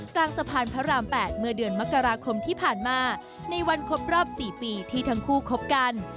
กลางสะพานพระราม๘เมื่อเดือนมกราคมที่ผ่านมาในวันครบรอบ๔ปีที่ทั้งคู่คบกัน